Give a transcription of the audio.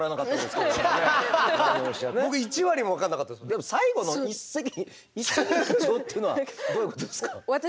でも最後の「一石二鳥」というのはどういうことですか？